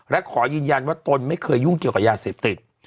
และขอยืนยันว่าตนไม่เคยยุ่งเกี่ยวกับยาเสพติด